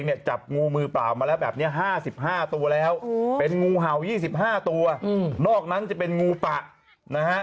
จับงูมือเปล่ามาแล้วแบบนี้๕๕ตัวแล้วเป็นงูเห่า๒๕ตัวนอกนั้นจะเป็นงูปะนะฮะ